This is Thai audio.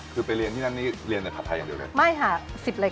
คือไปเรียนที่นั่นนี้เรียนแบบผัดไทยอย่างเดียว